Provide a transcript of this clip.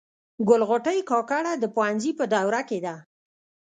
ګل غوټۍ کاکړه د پوهنځي په دوره کي ده.